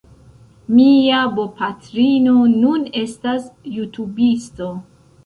Mia bopatrino nun estas jutubisto